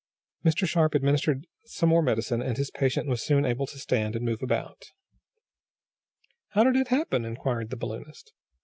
Mr. Sharp administered some more medicine and his patient was soon able to stand, and move about. "How did it happen?" inquired the balloonist.